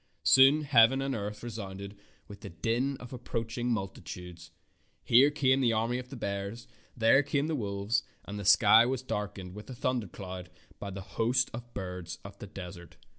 Soon heaven and earth resounded with the din of approaching multitudes. Here came the army of bears, there came the wolves, and the sky was darkened as with a thundercloud by the host of birds of the desert.